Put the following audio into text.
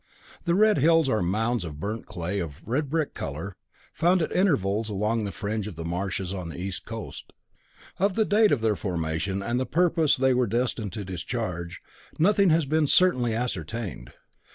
The Red Hills are mounds of burnt clay of a brick red colour, found at intervals along the fringe of the marshes on the east coast. Of the date of their formation and the purpose they were destined to discharge, nothing has been certainly ascertained.